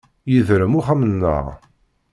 Yedrem uxxam-nneɣ.